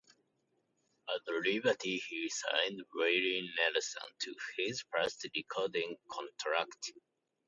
At Liberty he signed Willie Nelson to his first recording contract.